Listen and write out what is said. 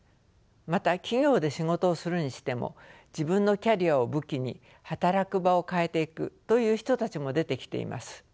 また企業で仕事をするにしても自分のキャリアを武器に働く場を変えていくという人たちも出てきています。